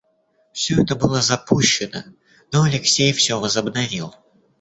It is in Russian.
Всё это было запущено, но Алексей всё возобновил.